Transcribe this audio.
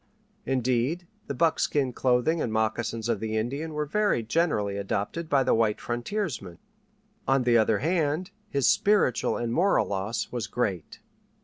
Indeed, the buckskin clothing and moccasins of the Indian were very generally adopted by the white frontiersman. On the other hand, his spiritual and moral loss was great.